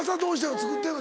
作ってんの？